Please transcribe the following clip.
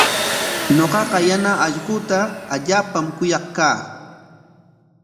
Ñuqaqa yana allquuta allaapam kuyaq kaa.